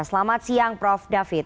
selamat siang prof david